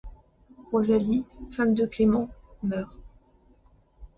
Rosalie, femme de Clément, meurt.